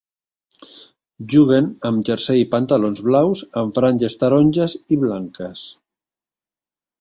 Juguen amb jersei i pantalons blaus amb franges taronges i blanques.